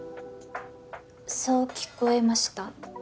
そう聞こえました？